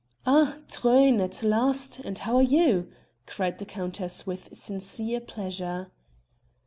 "Ah! Truyn, at last, and how are you?" cried the countess with sincere pleasure.